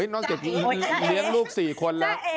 น้องเก็บเลี้ยงลูก๔คนแล้ว